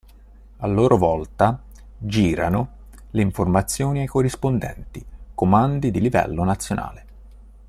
A loro volta, "girano" le informazioni ai corrispondenti comandi di livello nazionale.